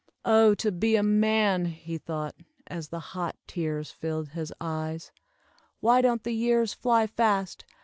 "Oh! to be a man!" he thought, as the hot tears filled his eyes. "Why don't the years fly fast?